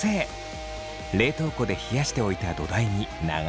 冷凍庫で冷やしておいた土台に流し込みます。